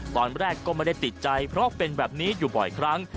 ตอนแรกก็ไม่ได้ติดใจเพราะเป็นแบบนี้อยู่บ่อยครั้ง